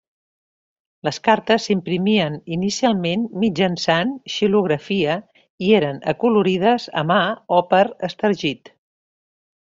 Les cartes s'imprimien inicialment mitjançant xilografia i eren acolorides a mà o per estergit.